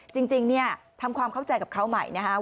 จริงเนี่ยทำความเข้าใจกับเขาใหม่นะครับ